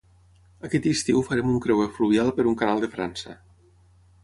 Aquest estiu farem un creuer fluvial per un canal de França